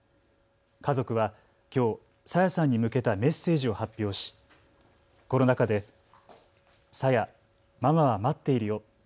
家族はきょう朝芽さんに向けたメッセージを発表しこの中で、さや、ママは待っているよ。